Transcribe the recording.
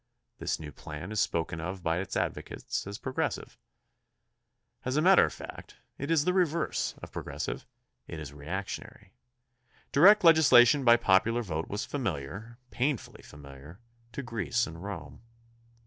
This new plan is spoken of by its advocates as progressive. As a matter of fact, it is the reverse of progressive, it is reactionary. Direct legislation by popular vote was familiar, painfully familiar, to Greece and Rome.